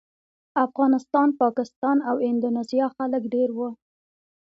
افغانستان، پاکستان او اندونیزیا خلک ډېر وو.